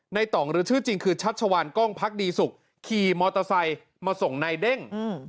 ต่องหรือชื่อจริงคือชัชวานกล้องพักดีสุขขี่มอเตอร์ไซค์มาส่งนายเด้ง